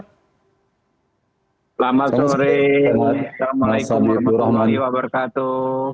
selamat sore assalamualaikum warahmatullahi wabarakatuh